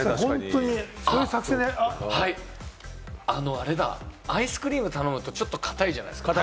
あれだ、アイスクリームを頼むとちょっとかたいじゃないですか。